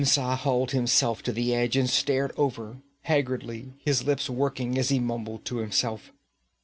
Khemsa hauled himself to the edge and stared over, haggardly, his lips working as he mumbled to himself.